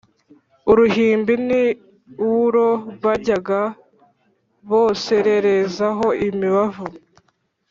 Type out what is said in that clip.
Uruhimbi niwro bajyaga bosererezaho imibavu